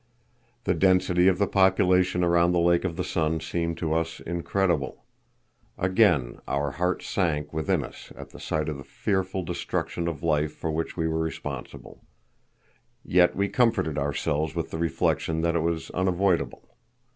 The density of the population around the Lake of the Sun seemed to us incredible. Again our hearts sank within us at the sight of the fearful destruction of life for which we were responsible. Yet we comforted ourselves with the reflection that it was unavoidable.